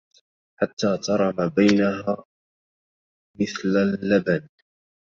حتى ترى ما بينها مثلَ اللبنْ